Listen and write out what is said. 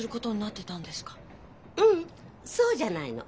ううんそうじゃないの。